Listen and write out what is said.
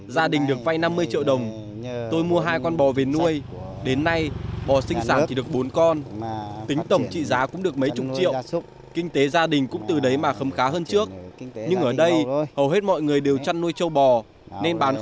trị lợi vay thêm gần ba mươi triệu nữa để mua hai con trâu sinh sản